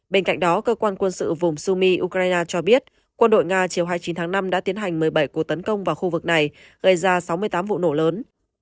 bên cạnh đó cơ quan quân sự vùng sumi ukraine cho biết quân đội nga chiều hai mươi chín tháng năm đã tiến hành một mươi bảy cuộc tấn công vào khu vực này gây ra sáu mươi tám vụ nổ lớn